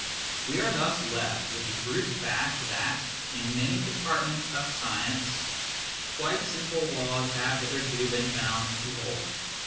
We are thus left with the brute fact that, in many departments of science, quite simple laws have hitherto been found to hold.